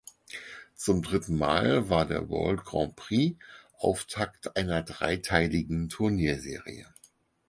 Zum dritten Mal war der World Grand Prix Auftakt einer dreiteiligen Turnierserie.